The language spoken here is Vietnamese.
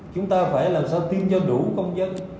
chúng ta phải làm sao tin cho đủ công dân